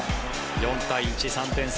４対１、３点差。